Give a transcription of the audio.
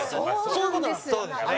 そうですね。